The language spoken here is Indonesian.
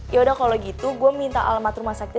yaudah kalau gitu gue minta alamat rumah sakit